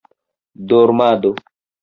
dormado